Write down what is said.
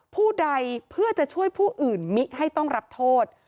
ผู้ใดเพื่อจะช่วยผู้อื่นมิให้ต้องรับโทษ